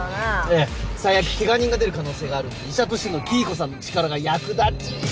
ええ最悪ケガ人が出る可能性があるので医者としての黄以子さんの力が役立ちいぃぃ！